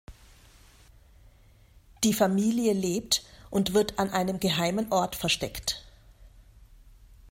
Die Familie lebt und wird an einem geheimen Ort versteckt.